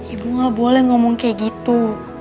ibu gak boleh ngomong kayak gitu